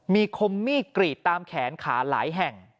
มีคมมีดกรีดตามแขนขาหลายแห่ง